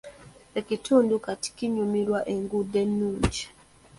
Ekitundu kati kinyumirwa enguudo ennungi.